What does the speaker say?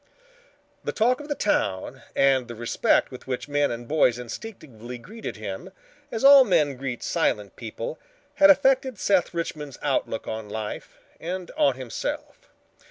The talk of the town and the respect with which men and boys instinctively greeted him, as all men greet silent people, had affected Seth Richmond's outlook on life and on himself.